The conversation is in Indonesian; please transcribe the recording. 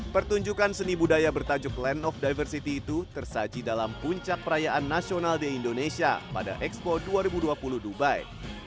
pertunjukan seni budaya bertajuk land of diversity itu tersaji dalam puncak perayaan nasional di indonesia pada expo dua ribu dua puluh dubai